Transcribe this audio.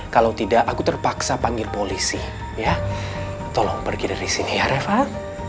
kalau tidak aku terpaksa panggil polisi ya tolong pergi dari sini you dus anto mass aku mohon ngece descended